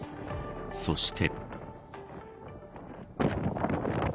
そして。